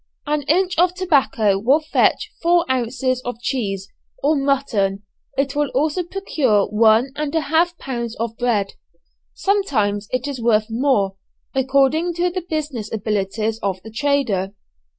An inch of tobacco will fetch four ounces of cheese, or mutton, it will also procure one and a half pounds of bread. Sometimes it is worth more, according to the business abilities of the trader.